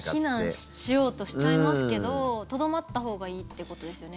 避難しようとしちゃいますけどとどまったほうがいいってことですよね。